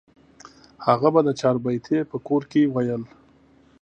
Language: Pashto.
هغه به د چاربیتې په کور کې ویل.